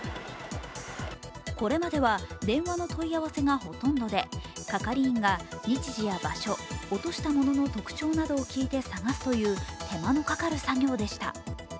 これまでは電話の問い合わせがほとんどで、係員が日時や場所、落としたものの特徴などを聞いて探すという手間のかかる作業でした。